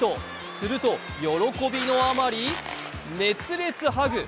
すると喜びのあまり、熱烈ハグ。